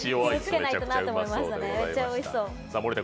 めっちゃおいしそう。